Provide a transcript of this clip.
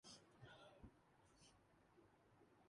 مجھے پیاس لگی ہے